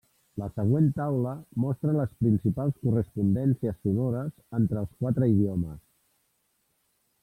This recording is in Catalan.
La següent taula mostra les principals correspondències sonores entre els quatre idiomes.